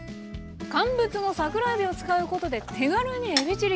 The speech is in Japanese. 乾物の桜えびを使うことで手軽にえびチリ気分です。